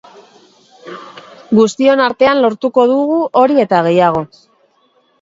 Guztion artean lortuko dugu hori eta gehiago.